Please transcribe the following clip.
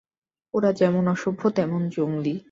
ওরা যেমন অসভ্য তেমন জংলী।